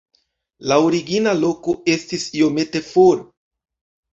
La origina loko estis iomete for.